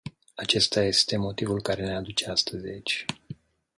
Acesta este motivul care ne aduce astăzi aici.